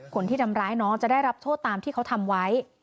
คนที่ทำร้ายน้องจะได้รับโทษตามที่เขาทำไว้